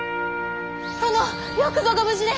殿よくぞご無事で！